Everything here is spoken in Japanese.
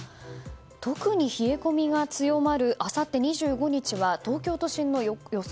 特に冷え込みが強まるあさって２５日は東京都心の予想